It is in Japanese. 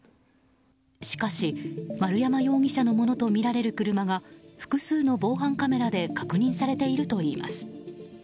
しかし丸山容疑者のものとみられる車が複数の防犯カメラで確認されているといいます。